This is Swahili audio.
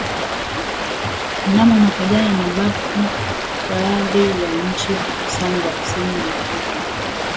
mnamo mwaka jana mabapo baadhi ya nchi hususan za kusini mwa Afrika